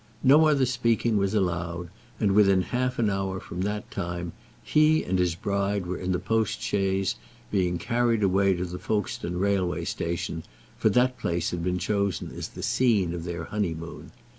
No other speaking was allowed, and within half an hour from that time, he and his bride were in the post chaise, being carried away to the Folkestone railway station; for that place had been chosen as the scene of their honeymoon.